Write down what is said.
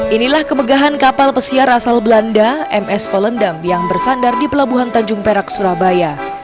inilah kemegahan kapal pesiar asal belanda ms volendam yang bersandar di pelabuhan tanjung perak surabaya